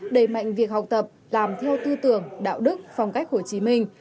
đẩy mạnh việc học tập làm theo tư tưởng đạo đức phong cách hồ chí minh